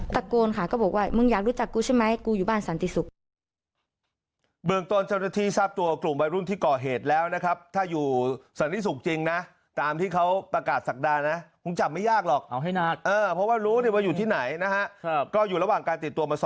ตะโกนค่ะก็บอกว่ามึงอยากรู้จักกูใช่ไหมกูอยู่บ้านสันติศุกร์